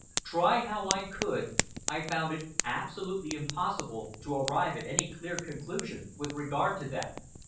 Try how I could, I found it absolutely impossible to arrive at any clear conclusion with regard to them.